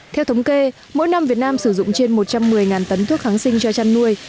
theo thống kê mỗi năm việt nam sử dụng trên một trăm một mươi tấn thuốc kháng sinh cho chăn nuôi